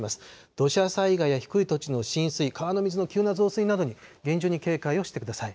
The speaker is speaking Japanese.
土砂災害や低い土地の浸水、川の水の急な増水などに厳重に警戒をしてください。